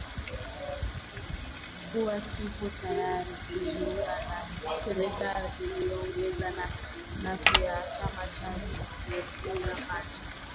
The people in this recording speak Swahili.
kuwa kiko tayari kujiunga na serikali inayoongozwa na mfuasi wa chama cha hezbollah najim